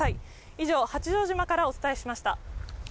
以上、八丈島からお伝えしました。